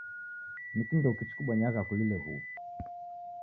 Ni kindoki chikubonyagha kulile huwu?